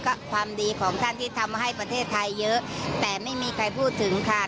ก็ความดีของท่านที่ทำให้ประเทศไทยเยอะแต่ไม่มีใครพูดถึงค่ะ